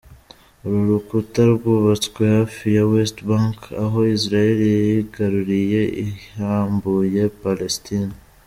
Uru rukuta rwubatswe hafi ya West Bank aho Israel yigaruriye ihambuye Palestine.